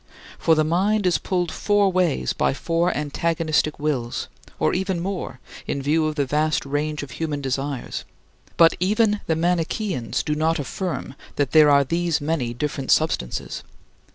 For the mind is pulled four ways by four antagonistic wills or even more, in view of the vast range of human desires but even the Manicheans do not affirm that there are these many different substances.